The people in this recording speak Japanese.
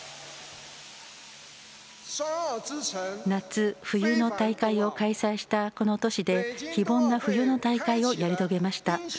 夏、冬の大会を開催したこの都市で非凡な冬の大会をやり遂げました。